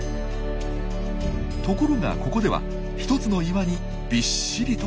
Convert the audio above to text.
ところがここでは１つの岩にびっしりと並んでいます。